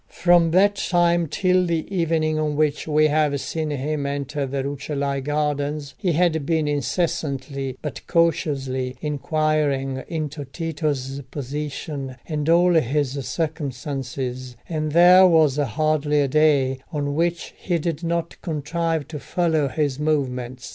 From that time till the evening on which we have seen him enter the Rucellai gardens, he had been incessantly, but cautiously, inquiring into Tito's position and all his circumstances, and there was hardly a day on which he did not contrive to follow his movements.